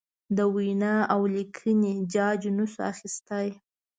د وینا اولیکنې جاج نشو اخستی.